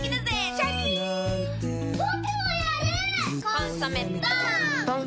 「コンソメ」ポン！